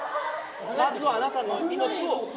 まずはあなたの命を。